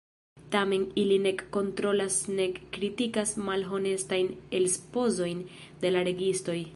Tamen ili nek kontrolas nek kritikas malhonestajn elspezojn de la registoj.